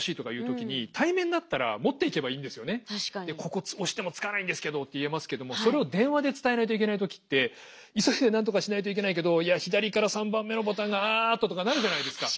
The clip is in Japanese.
ここ押してもつかないんですけどって言えますけどもそれを電話で伝えないといけない時って急いでなんとかしないといけないけどいや左から３番目のボタンがあっと！とかなるじゃないですか？